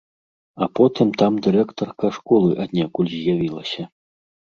А потым там дырэктарка школы аднекуль з'явілася.